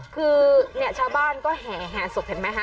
คือเนี่ยชาวบ้านก็แห่แห่ศพเห็นไหมคะ